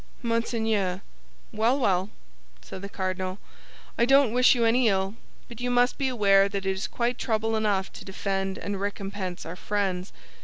"Monseigneur—" "Well, well," said the cardinal, "I don't wish you any ill; but you must be aware that it is quite trouble enough to defend and recompense our friends.